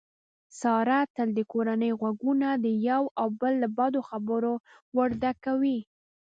ساره تل د کورنۍ غوږونه د یو او بل له بدو خبرو ورډکوي.